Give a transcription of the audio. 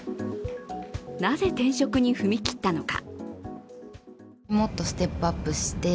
なぜ、転職に踏み切ったのか。